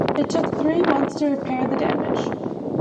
It took three months to repair the damage.